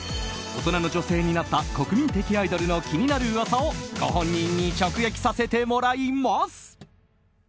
大人の女性になった国民的アイドルの気になる噂をご本人に直撃させてもらいます。